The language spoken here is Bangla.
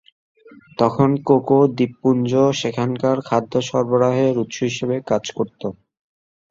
তখন কোকো দ্বীপপুঞ্জ সেখানকার খাদ্য সরবরাহের উৎস হিসেবে কাজ করত।